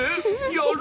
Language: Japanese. やる！